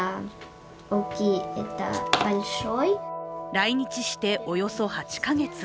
来日して、およそ８か月。